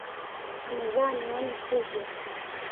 Amevaa miwani kubwa.